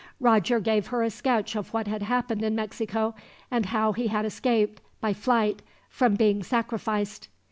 Roger gave her a sketch of what had happened in Mexico, and how he had escaped, by flight, from being sacrificed.